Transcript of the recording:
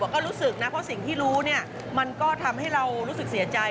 ก็รู้สึกนะเพราะสิ่งที่รู้มันก็ทำให้เรารู้สึกเสียใจ